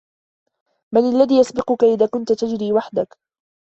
من الذي يسبقك إذا كنت تجري وحدك.